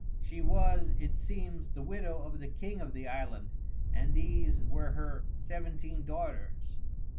She was, it seems, the widow of the king of the island, and these were her seventeen daughters.